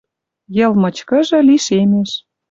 Йыл мычкыжы лишемеш.